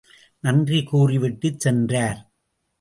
நன்றி கூறி விட்டுச் சென்றார்.